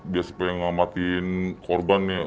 biar supaya ngamatin korban ya